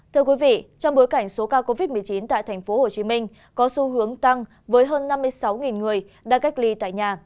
trong bối cảnh số ca covid một mươi chín tại tp hcm có xu hướng tăng với hơn năm mươi sáu người đã cách ly tại nhà